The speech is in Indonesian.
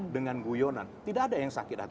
dengan guyonan tidak ada yang sakit hati